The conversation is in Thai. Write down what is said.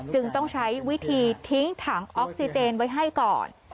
จึงต้องใช้วิธีทิ้งถังออกซิเจนไว้ให้ก่อน